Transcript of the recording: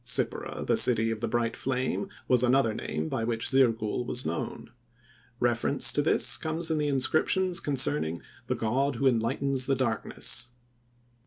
Sippara, "The City of the Bright Flame," was another name by which Zirgul was known. Reference to this comes in the inscriptions concerning the "God who enlightens the darkness."